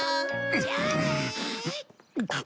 じゃあね！